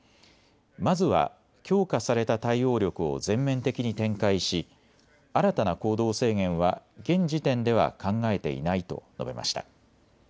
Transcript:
まずは強化された対応力を全面的に展開し新たな行動制限は現時点では考えていないと述べました。